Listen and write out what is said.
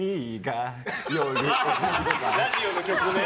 ラジオの曲ね。